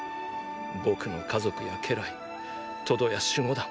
僕の家族や家来トドや守護団。